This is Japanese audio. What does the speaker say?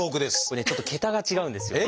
これねちょっと桁が違うんですよ。